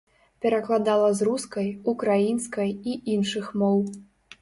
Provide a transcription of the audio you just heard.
Перакладала з рускай, украінскай і іншых моў.